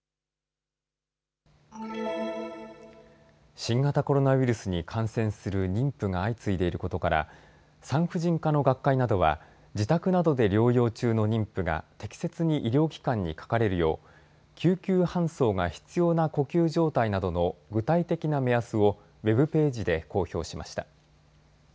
新型コロナウイルスに感染する妊婦が相次いでいることから産婦人科の学会などは自宅などで療養中の妊婦が適切に医療機関にかかれるよう救急搬送が必要な呼吸状態などの具体的な目安をウェブページで公表しました。